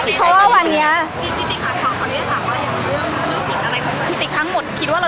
พี่ตอบได้แค่นี้จริงค่ะ